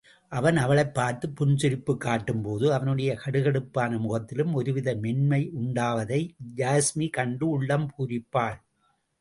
அவன் அவளைப் பார்த்துப் புன்சிரிப்புக் காட்டும்போது, அவனுடைய கடுகடுப்பான முகத்திலும் ஒருவித மென்மையுண்டாவதை யாஸ்மி கண்டு உள்ளம் பூரிப்பாள்.